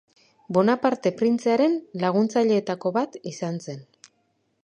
Bonaparte printzearen laguntzaileetako bat izan zen.